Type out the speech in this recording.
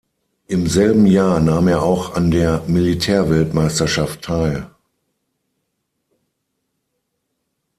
Im selben Jahr nahm er auch an der Militärweltmeisterschaft teil.